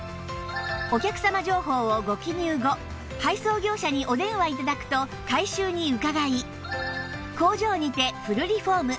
お客様情報をご記入後配送業者にお電話頂くと回収に伺い工場にてフルリフォーム